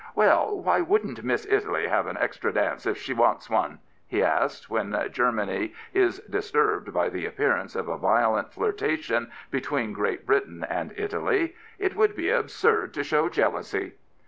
" Well, why shouldn't Miss Italy have an extra dance if she wants one ?" he asks when Germany is disturbed by the appearance of a violent flirtation between Great Britain and Italy. " It would be absurd to show jealousy."